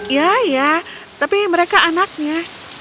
ya ya tapi mereka anaknya